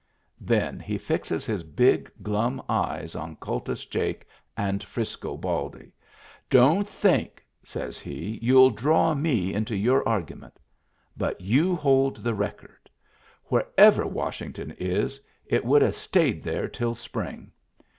Then he fixes his big glum eyes on Kultus Jake and Frisco Baldy. " Don't think," says he, "youll draw me into your argument. But you hold the record. Wherever Washington is, it would have stayed there till spring.